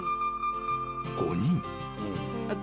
［５人］